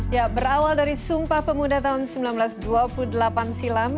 ya berawal dari sumpah pemuda tahun seribu sembilan ratus dua puluh delapan silam